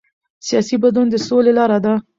سیاسي بدلون د سولې لاره ده